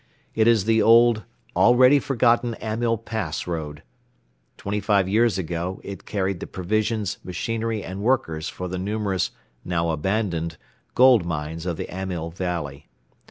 It is the old, already forgotten Amyl pass road. Twenty five years ago it carried the provisions, machinery and workers for the numerous, now abandoned, gold mines of the Amyl valley.